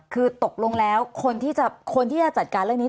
คือตกลงแล้วคนที่จะจัดการเรื่องนี้